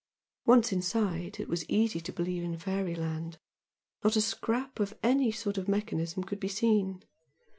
Once inside it was easy to believe in Fairyland. Not a scrap of any sort of mechanism could be seen.